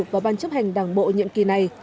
vào ban chấp hành đảng bộ nhiệm kỳ này